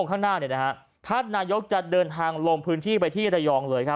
ท่านนายกรัฐมนตรีจะเดินทางลงพื้นที่ไปที่ระยอง